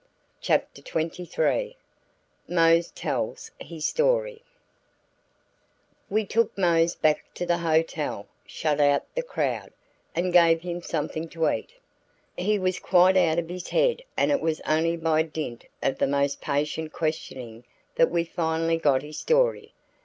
CHAPTER XXIII MOSE TELLS HIS STORY We took Mose back to the hotel, shut out the crowd, and gave him something to eat. He was quite out of his head and it was only by dint of the most patient questioning that we finally got his story.